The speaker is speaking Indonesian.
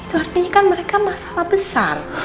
itu artinya kan mereka masalah besar